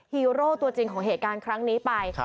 ฮีโร่ตัวจริงของเหตุการณ์ครั้งนี้ไป